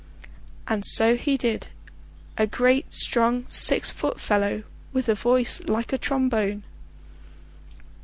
And so he did; a great strong six foot fellow, with a voice like a trombone.